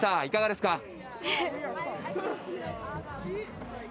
いかがですか？